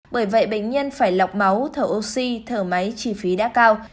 bởi vậy bệnh nhân phải lọc máu thở oxy thở máy chi phí đã cao